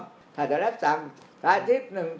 สักเที่ยงครึ่งคือสักเที่ยงครึ่งคือสักเที่ยงครึ่ง